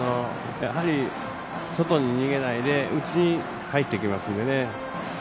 やはり外に逃げないで内に入ってきますので。